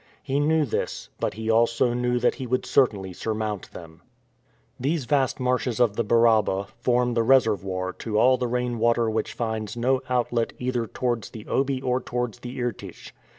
He knew this, but he also knew that he would certainly surmount them. These vast marshes of the Baraba, form the reservoir to all the rain water which finds no outlet either towards the Obi or towards the Irtych.